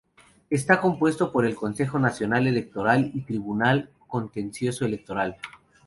Está compuesto por el Consejo Nacional Electoral y el Tribunal Contencioso Electoral.